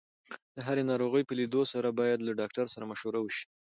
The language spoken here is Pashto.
د هرې ناروغۍ په لیدو سره باید له ډاکټر سره مشوره وشي.